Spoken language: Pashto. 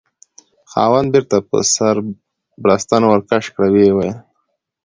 خاوند: بیرته په سر بړستن ورکش کړه، ویې ویل: